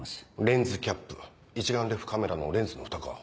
レンズキャップ一眼レフカメラのレンズのふたか。